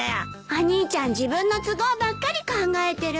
お兄ちゃん自分の都合ばっかり考えてる。